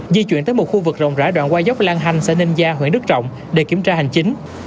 di chuyển tới một khu vực rộng rãi đoạn qua dốc lan hanh xã ninh gia huyện đức trọng để kiểm tra hành chính